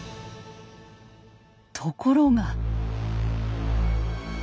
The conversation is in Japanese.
ところが。